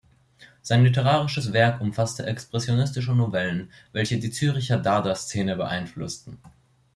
Sein literarisches Werk umfasste expressionistische Novellen, welche die Zürcher Dada-Szene beeinflussten.